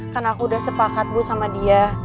karena aku udah sepakat bu sama dia